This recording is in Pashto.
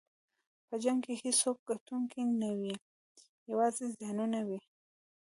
په جنګ کې هېڅوک ګټونکی نه وي، یوازې زیانونه وي.